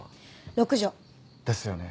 ６畳。ですよね。